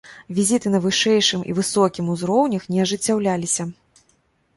Візіты на вышэйшым і высокім узроўнях не ажыццяўляліся.